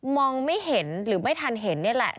มองไม่เห็นหรือไม่ทันเห็นนี่แหละ